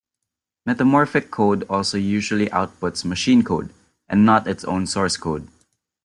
Metamorphic code also usually outputs machine code and not its own source code.